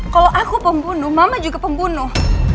kalau aku pembunuh mama juga pembunuh